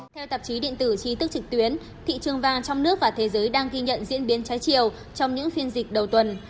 theo tạp chí điện tử trí thức trực tuyến thị trường vàng trong nước và thế giới đang ghi nhận diễn biến trái chiều trong những phiên dịch đầu tuần